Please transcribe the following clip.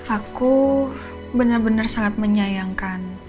aku benar benar sangat menyayangkan